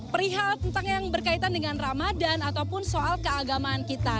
perihal tentang yang berkaitan dengan ramadan ataupun soal keagamaan kita